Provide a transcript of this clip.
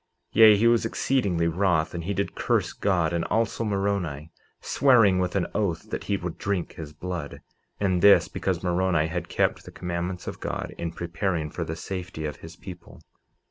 49:27 Yea, he was exceedingly wroth, and he did curse God, and also Moroni, swearing with an oath that he would drink his blood; and this because Moroni had kept the commandments of God in preparing for the safety of his people.